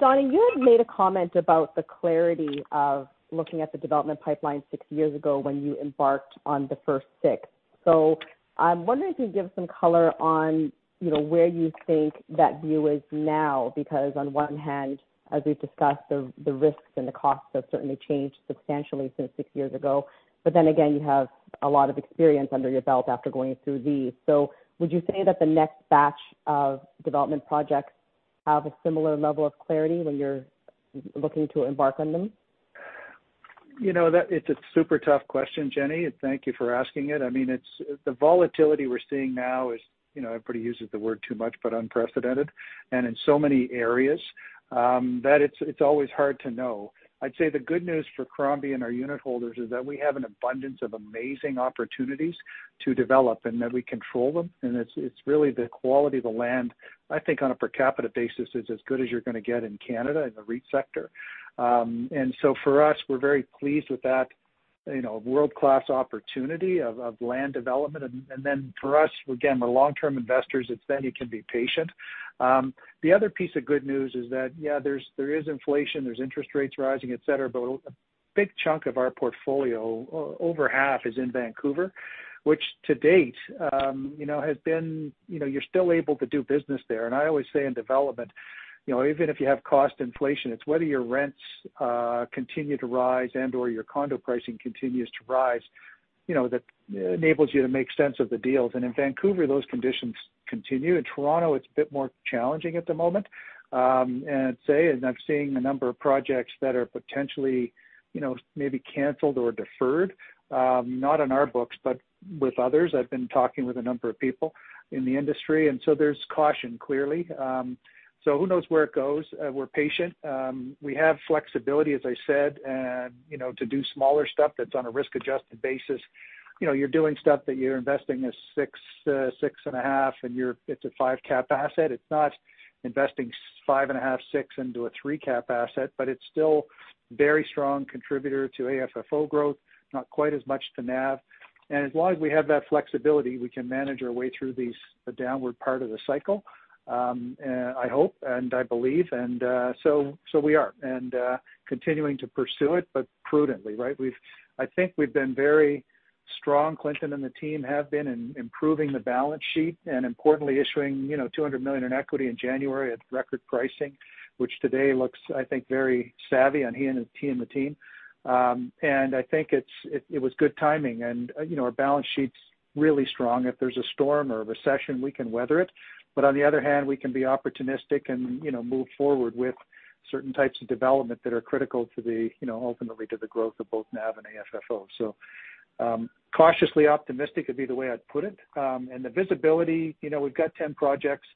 Donnie, you had made a comment about the clarity of looking at the development pipeline six years ago when you embarked on the first six. I'm wondering if you give some color on, you know, where you think that view is now. Because on one hand, as we've discussed, the risks and the costs have certainly changed substantially since six years ago. You have a lot of experience under your belt after going through these. Would you say that the next batch of development projects have a similar level of clarity when you're looking to embark on them? It's a super tough question, Jenny. Thank you for asking it. I mean, the volatility we're seeing now is, you know, everybody uses the word too much, but unprecedented and in so many areas, that it's always hard to know. I'd say the good news for Crombie and our unit holders is that we have an abundance of amazing opportunities to develop and that we control them. It's really the quality of the land, I think on a per capita basis is as good as you're going to get in Canada in the REIT sector. For us, we're very pleased with that, you know, world-class opportunity of land development. Then for us, again, we're long-term investors. It's then you can be patient. The other piece of good news is that, yeah, there's inflation, there's interest rates rising, et cetera. A big chunk of our portfolio, over half is in Vancouver, which to date, you know, has been, you know, you're still able to do business there. I always say in development, you know, even if you have cost inflation, it's whether your rents continue to rise and/or your condo pricing continues to rise. You know, that enables you to make sense of the deals. In Vancouver, those conditions continue. In Toronto, it's a bit more challenging at the moment. I'd say, and I'm seeing a number of projects that are potentially, you know, maybe canceled or deferred, not on our books, but with others. I've been talking with a number of people in the industry, and so there's caution, clearly. Who knows where it goes. We're patient. We have flexibility, as I said, and you know, to do smaller stuff that's on a risk-adjusted basis. You know, you're doing stuff that you're investing at 6%-6.5%, and it's a 5% cap asset. It's not investing 5.5%-6% into a 3% cap asset. It's still very strong contributor to AFFO growth, not quite as much to NAV. We have that flexibility, we can manage our way through these, the downward part of the cycle, I hope and I believe. We are continuing to pursue it, but prudently, right? I think we've been very strong. Clinton and the team have been in improving the balance sheet and importantly issuing, you know, 200 million in equity in January at record pricing, which today looks, I think, very savvy of him and the team. I think it was good timing. You know, our balance sheet's really strong. If there's a storm or a recession, we can weather it. On the other hand, we can be opportunistic and move forward with certain types of development that are critical to the, you know, ultimately to the growth of both NAV and AFFO. Cautiously optimistic would be the way I'd put it. The visibility, you know, we've got 10 projects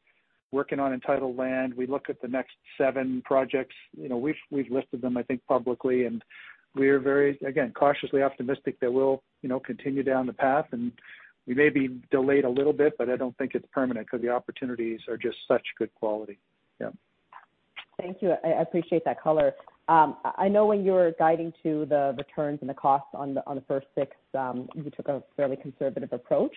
working on entitled land. We look at the next seven projects. We've listed them, I think, publicly, and we are very, again, cautiously optimistic that we'll, you know, continue down the path and we may be delayed a little bit, but I don't think it's permanent because the opportunities are just such good quality. Yeah. Thank you. I appreciate that color. I know when you were guiding to the returns and the costs on the first six, you took a fairly conservative approach.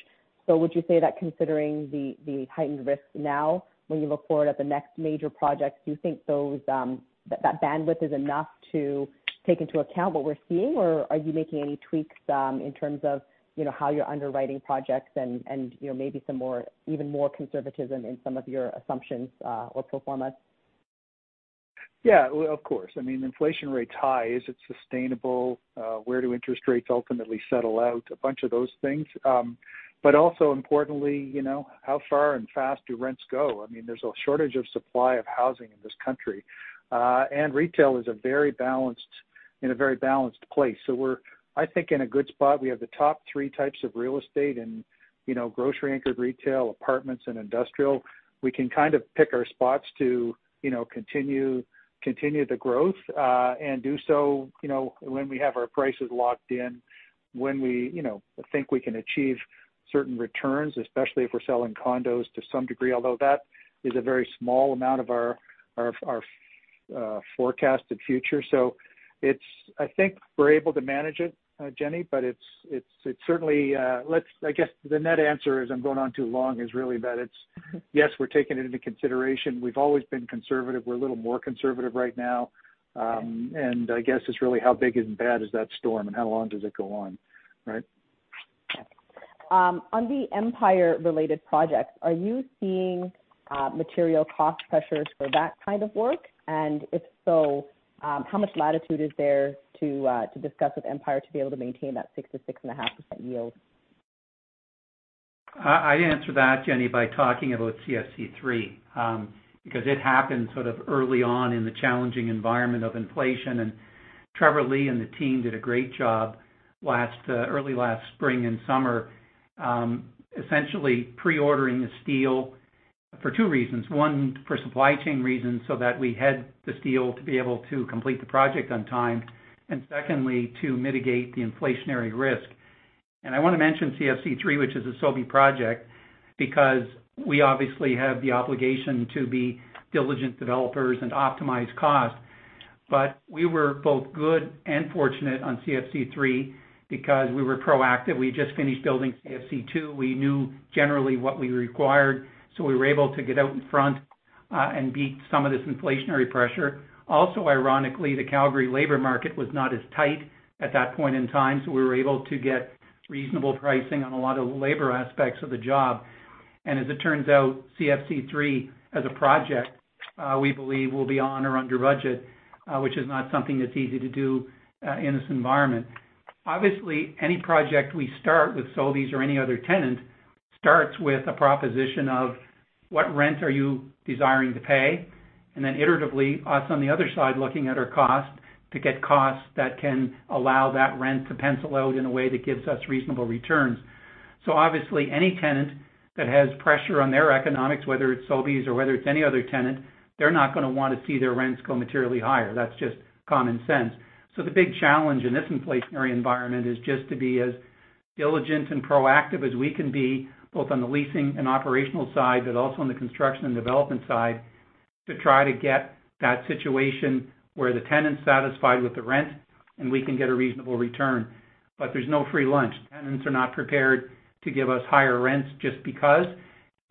Would you say that considering the heightened risk now, when you look forward at the next major projects, do you think that bandwidth is enough to take into account what we're seeing? Or are you making any tweaks in terms of, you know, how you're underwriting projects and, you know, maybe some more, even more conservatism in some of your assumptions, or pro formas? Yeah. Well, of course. I mean, inflation rate's high. Is it sustainable? Where do interest rates ultimately settle out? A bunch of those things. Also importantly, you know, how far and fast do rents go? I mean, there's a shortage of supply of housing in this country, and retail is in a very balanced place. We're, I think, in a good spot. We have the top three types of real estate and, you know, grocery anchored retail, apartments and industrial. We can kind of pick our spots to, you know, continue the growth, and do so, you know, when we have our prices locked in, when we, you know, think we can achieve certain returns, especially if we're selling condos to some degree, although that is a very small amount of our forecasted future. I think we're able to manage it, Jenny, but it's certainly. I guess the net answer is, I'm going on too long, is really that it's yes, we're taking it into consideration. We've always been conservative. We're a little more conservative right now. I guess it's really how big and bad is that storm and how long does it go on, right? On the Empire related projects, are you seeing material cost pressures for that kind of work? If so, how much latitude is there to discuss with Empire to be able to maintain that 6%-6.5% yield? I answer that, Jenny, by talking about CFC 3, because it happened sort of early on in the challenging environment of inflation. Trevor Lee and the team did a great job early last spring and summer, essentially pre-ordering the steel for two reasons. One, for supply chain reasons so that we had the steel to be able to complete the project on time. Secondly, to mitigate the inflationary risk. I wanna mention CFC 3, which is a Sobeys project, because we obviously have the obligation to be diligent developers and optimize costs. We were both good and fortunate on CFC 3 because we were proactive. We just finished building CFC 2. We knew generally what we required, so we were able to get out in front, and beat some of this inflationary pressure. Ironically, the Calgary labor market was not as tight at that point in time, so we were able to get reasonable pricing on a lot of labor aspects of the job. As it turns out, CFC 3 as a project, we believe will be on or under budget, which is not something that's easy to do, in this environment. Obviously, any project we start with Sobeys or any other tenant starts with a proposition of what rent are you desiring to pay, and then iteratively, us on the other side, looking at our cost to get costs that can allow that rent to pencil out in a way that gives us reasonable returns. Obviously, any tenant that has pressure on their economics, whether it's Sobeys or whether it's any other tenant, they're not gonna wanna see their rents go materially higher. That's just common sense. The big challenge in this inflationary environment is just to be as diligent and proactive as we can be, both on the leasing and operational side, but also on the construction and development side, to try to get that situation where the tenant's satisfied with the rent and we can get a reasonable return. There's no free lunch. Tenants are not prepared to give us higher rents just because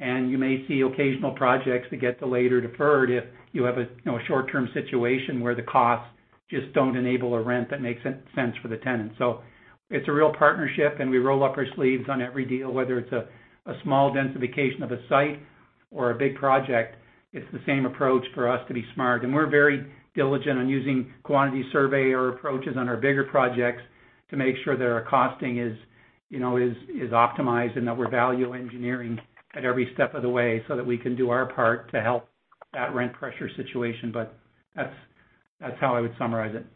and you may see occasional projects that get delayed or deferred if you have a, you know, a short-term situation where the costs just don't enable a rent that makes sense for the tenant. It's a real partnership, and we roll up our sleeves on every deal, whether it's a small densification of a site or a big project, it's the same approach for us to be smart. We're very diligent on using quantity surveyor approaches on our bigger projects to make sure that our costing is, you know, optimized and that we're value engineering at every step of the way so that we can do our part to help that rent pressure situation. That's how I would summarize it.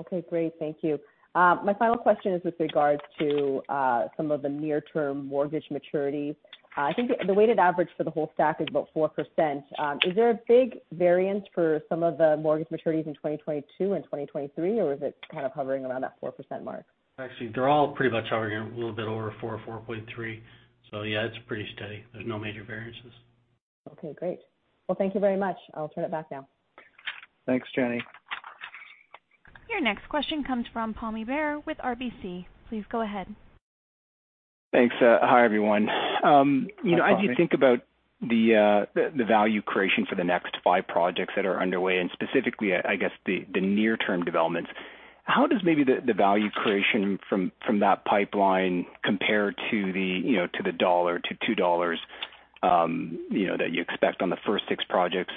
Okay, great. Thank you. My final question is with regards to some of the near term mortgage maturities. I think the weighted average for the whole stack is about 4%. Is there a big variance for some of the mortgage maturities in 2022 and 2023, or is it kind of hovering around that 4% mark? Actually, they're all pretty much hovering a little bit over 4 or 4.3. Yeah, it's pretty steady. There's no major variances. Okay, great. Well, thank you very much. I'll turn it back now. Thanks, Jenny. Your next question comes from Pammi Bir with RBC. Please go ahead. Thanks. Hi, everyone. Hi, Pammi. As you think about the value creation for the next five projects that are underway, and specifically, I guess the near term developments, how does maybe the value creation from that pipeline compare to the, you know, to the 1-2 dollars, you know, that you expect on the first six projects?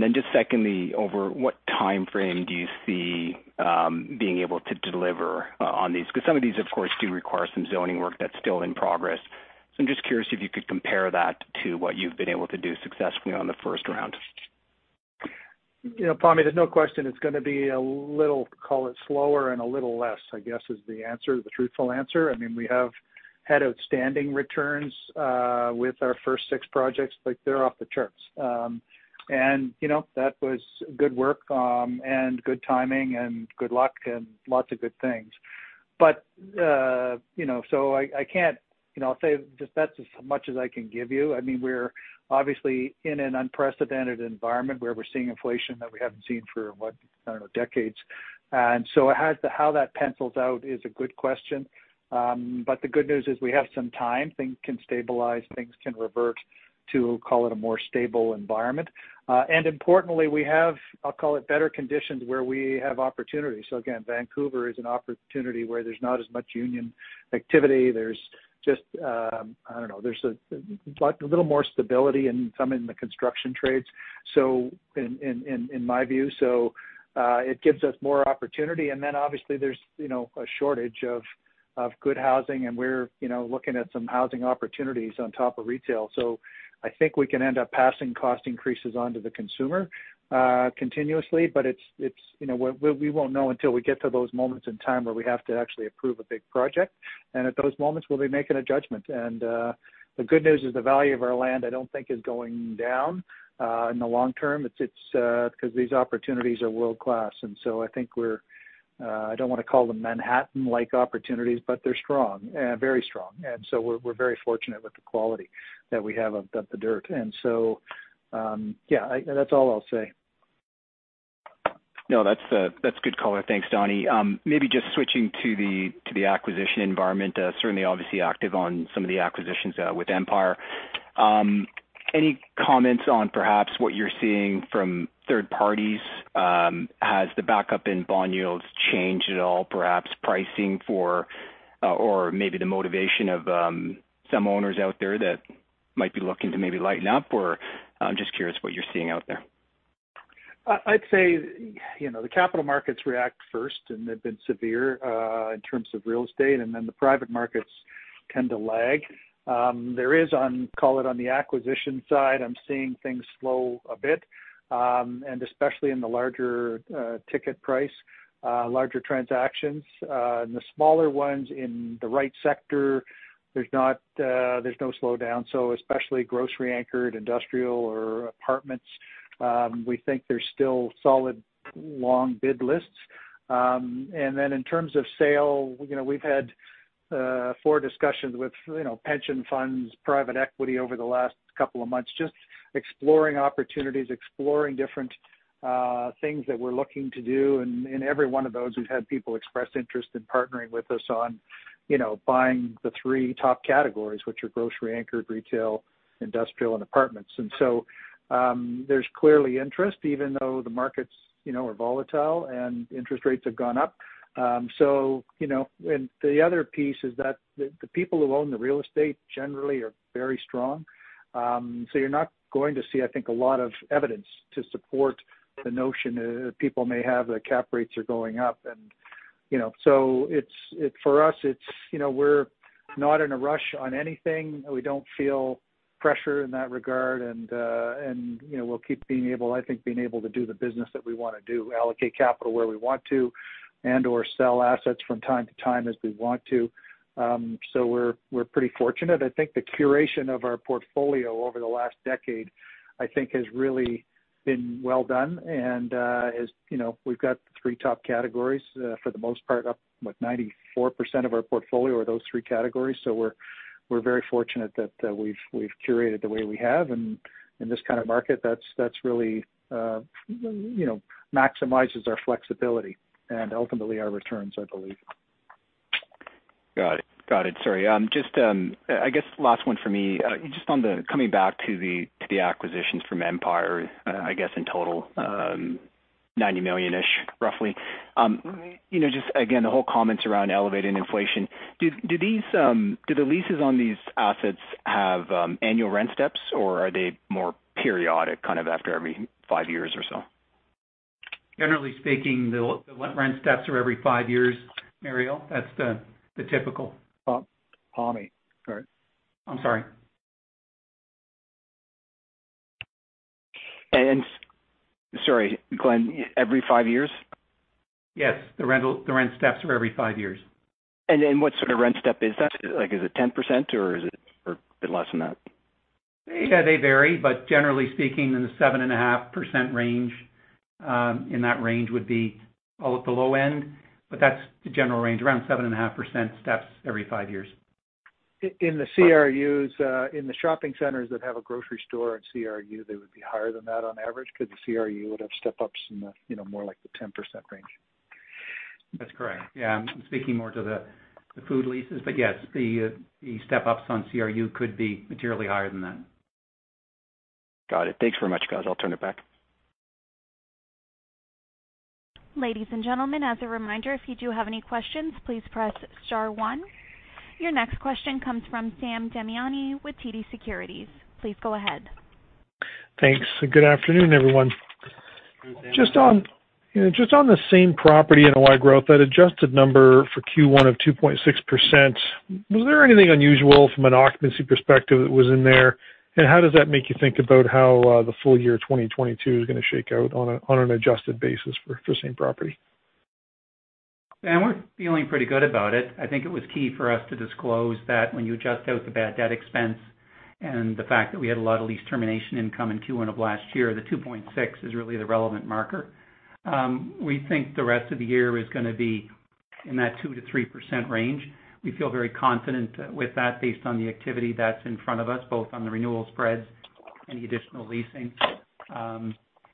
Then just secondly, over what timeframe do you see being able to deliver on these? Because some of these of course do require some zoning work that's still in progress. I'm just curious if you could compare that to what you've been able to do successfully on the first round. Pammi, there's no question it's gonna be a little, call it slower and a little less, I guess is the answer, the truthful answer. I mean, we have had outstanding returns with our first six projects, like they're off the charts. You know, that was good work and good timing and good luck and lots of good things. But you know, so I can't, you know, I'll say just that's as much as I can give you. I mean, we're obviously in an unprecedented environment where we're seeing inflation that we haven't seen for, what? I don't know, decades. So how that pencils out is a good question. But the good news is we have some time, things can stabilize, things can revert to call it a more stable environment. Importantly we have, I'll call it better conditions where we have opportunities. Again, Vancouver is an opportunity where there's not as much union activity. There's just, I don't know, there's a lot, a little more stability in some in the construction trades, so in my view. It gives us more opportunity. Obviously there's, you know, a shortage of good housing and we're, you know, looking at some housing opportunities on top of retail. I think we can end up passing cost increases onto the consumer, continuously. It's, you know, we won't know until we get to those moments in time where we have to actually approve a big project. At those moments we'll be making a judgment. The good news is the value of our land, I don't think is going down in the long term. It's 'cause these opportunities are world-class. I think we're, I don't wanna call them Manhattan-like opportunities, but they're strong, very strong. We're very fortunate with the quality that we have of the dirt. Yeah, that's all I'll say. No, that's good color. Thanks, Donnie. Maybe just switching to the acquisition environment, certainly obviously active on some of the acquisitions with Empire. Any comments on perhaps what you're seeing from third parties? Has the backup in bond yields changed at all, perhaps pricing for or maybe the motivation of some owners out there that might be looking to maybe lighten up or I'm just curious what you're seeing out there. I'd say, you know, the capital markets react first and they've been severe in terms of real estate, and then the private markets tend to lag. On the acquisition side, I'm seeing things slow a bit. Especially in the larger ticket size larger transactions. The smaller ones in the right sector there's no slowdown. Especially grocery anchored industrial or apartments, we think there's still solid long bid lists. Then in terms of sales, you know, we've had four discussions with, you know, pension funds, private equity over the last couple of months, just exploring opportunities, different things that we're looking to do. In every one of those we've had people express interest in partnering with us on, you know, buying the three top categories, which are grocery anchored retail, industrial and apartments. There's clearly interest even though the markets, you know, are volatile and interest rates have gone up. The other piece is that the people who own the real estate generally are very strong. You're not going to see, I think, a lot of evidence to support the notion that people may have that cap rates are going up. For us, it's, you know, we're not in a rush on anything. We don't feel pressure in that regard. I think we'll keep being able to do the business that we wanna do, allocate capital where we want to and or sell assets from time to time as we want to. We're pretty fortunate. I think the curation of our portfolio over the last decade has really been well done. You know, we've got the three top categories, for the most part up, what 94% of our portfolio are those three categories. We're very fortunate that we've curated the way we have and in this kind of market that's really maximizes our flexibility and ultimately our returns, I believe. Got it. Sorry. Just, I guess last one for me. Just on the coming back to the acquisitions from Empire, I guess in total, 90 million-ish roughly. You know, just again, the whole comments around elevated inflation. Do these leases on these assets have annual rent steps, or are they more periodic, kind of after every five years or so? Generally speaking, the rent steps are every five years, Muriel. That's the typical- Tommy, sorry. I'm sorry. Sorry, Glenn, every five years? Yes. The rent steps are every five years. What sort of rent step is that? Like, is it 10% or is it a bit less than that? Yeah, they vary, but generally speaking in the 7.5% range, in that range would be all at the low end, but that's the general range, around 7.5% steps every five years. In the CRUs, in the shopping centers that have a grocery store and CRU, they would be higher than that on average because the CRU would have step-ups in the, you know, more like the 10% range. That's correct. Yeah. I'm speaking more to the food leases. But yes, the step-ups on CRU could be materially higher than that. Got it. Thanks very much, guys. I'll turn it back. Ladies and gentlemen, as a reminder, if you do have any questions, please press star one. Your next question comes from Sam Damiani with TD Securities. Please go ahead. Thanks, and good afternoon, everyone. Just on the same property NOI growth, that adjusted number for Q1 of 2.6%, was there anything unusual from an occupancy perspective that was in there? How does that make you think about how the full year 2022 is gonna shake out on an adjusted basis for same property? We're feeling pretty good about it. I think it was key for us to disclose that when you adjust out the bad debt expense and the fact that we had a lot of lease termination income in Q1 of last year. The 2.6 is really the relevant marker. We think the rest of the year is gonna be in that 2%-3% range. We feel very confident with that based on the activity that's in front of us, both on the renewal spreads, any additional leasing,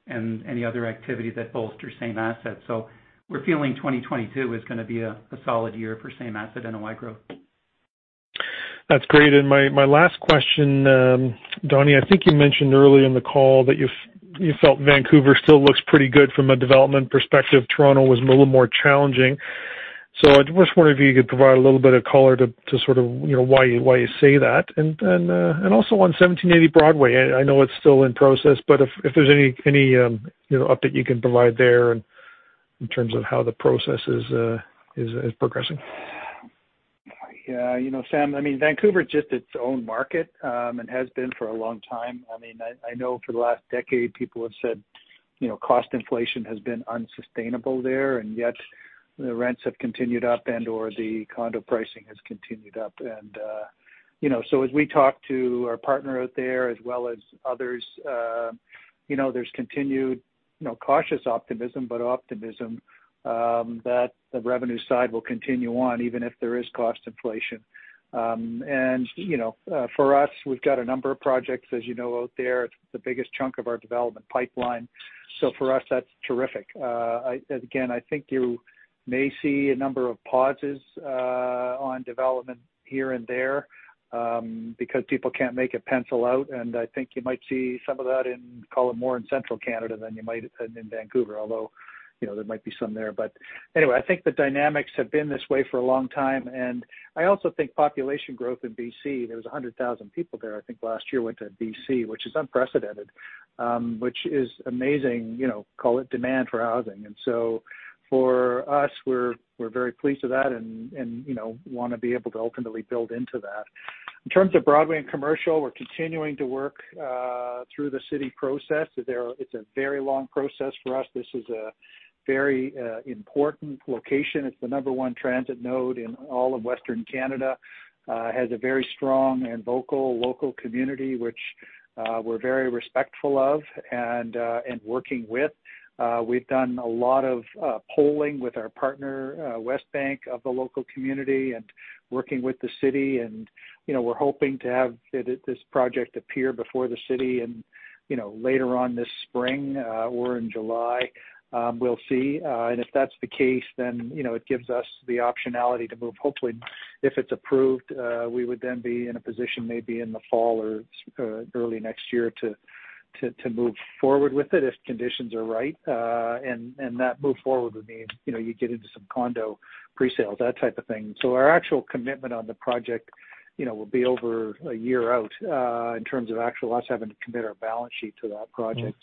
and any other activity that bolsters same-asset NOI. We're feeling 2022 is gonna be a solid year for same-asset NOI growth. That's great. My last question, Donnie, I think you mentioned earlier in the call that you felt Vancouver still looks pretty good from a development perspective. Toronto was a little more challenging. I just wonder if you could provide a little bit of color to sort of, you know, why you say that. Also on 1780 Broadway, I know it's still in process, but if there's any you know update you can provide there in terms of how the process is progressing. Yeah. Sam, I mean, Vancouver is just its own market, and has been for a long time. I mean, I know for the last decade, people have said, you know, cost inflation has been unsustainable there, and yet the rents have continued up and/or the condo pricing has continued up. You know, so as we talk to our partner out there as well as others, you know, there's continued, you know, cautious optimism, but optimism, that the revenue side will continue on even if there is cost inflation. For us, we've got a number of projects, as you know, out there. It's the biggest chunk of our development pipeline. For us, that's terrific. Again, I think you may see a number of pauses on development here and there, because people can't make it pencil out, and I think you might see some of that in the long run more in central Canada than you might in Vancouver, although, you know, there might be some there. Anyway, I think the dynamics have been this way for a long time. I also think population growth in B.C.; there was 100,000 people there, I think last year went to B.C., which is unprecedented, which is amazing, you know, creating demand for housing. For us, we're very pleased with that and, you know, want to be able to ultimately build into that. In terms of Broadway and Commercial, we're continuing to work through the city process. It's a very long process for us. This is a very important location. It's the number one transit node in all of Western Canada, has a very strong and vocal local community, which we're very respectful of and working with. We've done a lot of polling with our partner, Westbank, of the local community and working with the city. You know, we're hoping to have this project appear before the city and, you know, later on this spring or in July, we'll see. If that's the case, you know, it gives us the optionality to move. Hopefully, if it's approved, we would then be in a position maybe in the fall or early next year to move forward with it if conditions are right. That moving forward would mean, you know, you get into some condo presale, that type of thing. Our actual commitment on the project, you know, will be over a year out, in terms of us actually having to commit our balance sheet to that project.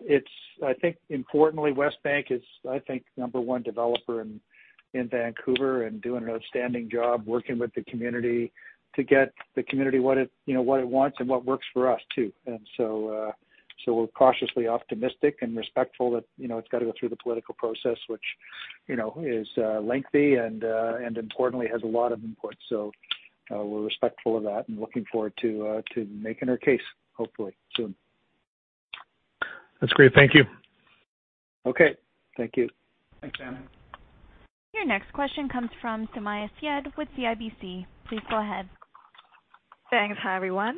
It's, I think importantly, Westbank is, I think, number one developer in Vancouver and doing an outstanding job working with the community to get the community what it, you know, what it wants and what works for us too. We're cautiously optimistic and respectful that, you know, it's got to go through the political process, which, you know, is lengthy and importantly has a lot of input. We're respectful of that and looking forward to making our case hopefully soon. That's great. Thank you. Okay. Thank you. Thanks, Sam. Your next question comes from Sumayya Syed with CIBC. Please go ahead. Thanks. Hi, everyone.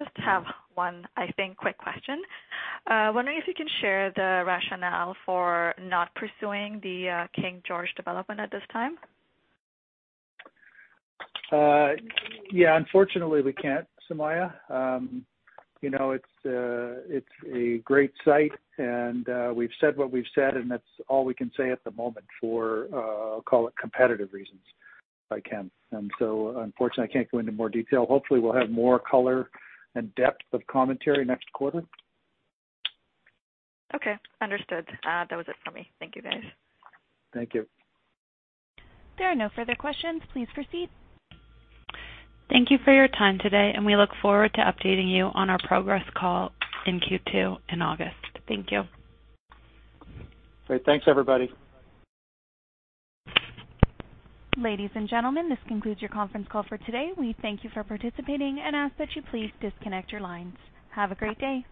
Just have one, I think, quick question. Wondering if you can share the rationale for not pursuing the King George development at this time. Yeah, unfortunately, we can't, Sumayya. You know, it's a great site, and we've said what we've said, and that's all we can say at the moment for, call it, competitive reasons, if I can. Unfortunately, I can't go into more detail. Hopefully, we'll have more color and depth of commentary next quarter. Okay. Understood. That was it for me. Thank you, guys. Thank you. There are no further questions. Please proceed. Thank you for your time today, and we look forward to updating you on our progress call in Q2 in August. Thank you. Great. Thanks, everybody. Ladies and gentlemen, this concludes your conference call for today. We thank you for participating and ask that you please disconnect your lines. Have a great day.